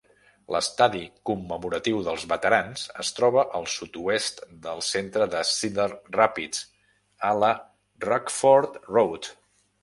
L'estadi Commemoratiu dels Veterans es troba al sud-oest del centre de Cedar Rapids a la Rockford Road.